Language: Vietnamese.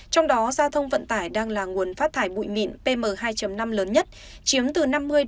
trong đó gia thông vận tải đang là nguồn phát thải bụi mịn pm hai năm lớn nhất chiếm từ năm mươi bảy mươi